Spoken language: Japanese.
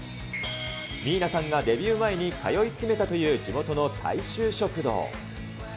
ミーナさんがデビュー前に通い詰めたという、地元の大衆食堂。